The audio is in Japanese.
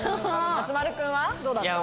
松丸君はどうだった？